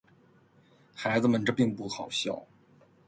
孩子们，这并不好笑。